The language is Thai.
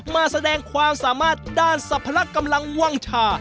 มาแสดงความสามารถด้านสรรพลักษณ์กำลังว่างชา